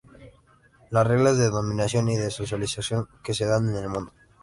Las reglas de dominación y de socialización que se dan en el mundo